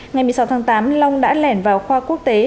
ngày một mươi sáu tháng tám long đã lẻn vào khoa quốc tế